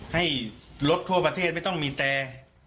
ให้รถทั่วประเทศไม่ต้องมีแต่